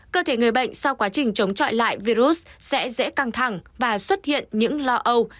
cơ thể người bệnh sau quá trình chống chọi lại virus sẽ dễ căng thẳng và xuất hiện những lo âu